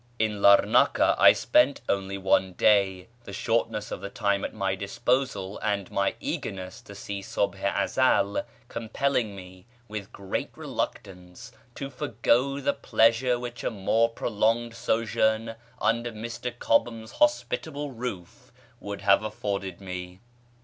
In Larnaca I spent only one day, the shortness of the time at my disposal and my eagerness to see Subh i Ezel compelling me with great reluctance to forego the pleasure which a more prolonged sojourn under Mr Cobham's hospitable roof would have afforded me.